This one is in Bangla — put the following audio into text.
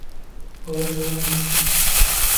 গরম গরম নাস্তা।